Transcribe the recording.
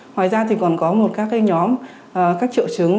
ngoài ra thì còn có một các nhóm các triệu chứng